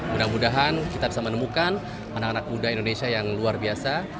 mudah mudahan kita bisa menemukan anak anak muda indonesia yang luar biasa